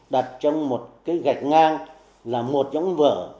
đặt trong một cái gạch ngang là một giống vở